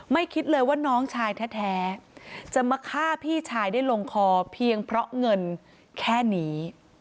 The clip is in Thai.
คิดเลยว่าน้องชายแท้จะมาฆ่าพี่ชายได้ลงคอเพียงเพราะเงินแค่นี้